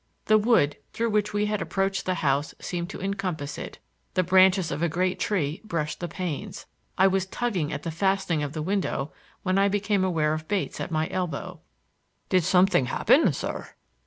The wood through which we had approached the house seemed to encompass it. The branches of a great tree brushed the panes. I was tugging at the fastening of the window when I became aware of Bates at my elbow. "Did something happen, sir?"